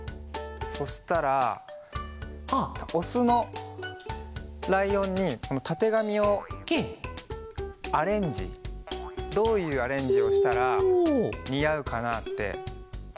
そしたらオスのライオンにたてがみをアレンジどういうアレンジをしたらにあうかなってきいてもらおうかな。